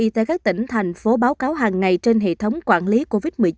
sở y tế các tỉnh thành phố báo cáo hàng ngày trên hệ thống quản lý covid một mươi chín